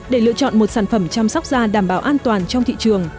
để lựa chọn một sản phẩm chăm sóc da đảm bảo an toàn trong thị trường